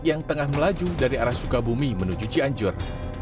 yang tengah melaju dari arah sukabumi menuju cianjur